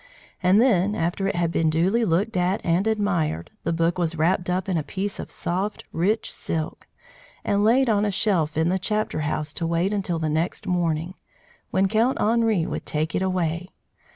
And then, after it had been duly looked at and admired, the book was wrapped up in a piece of soft, rich silk and laid on a shelf in the chapter house to wait until the next morning, when Count Henri would take it away.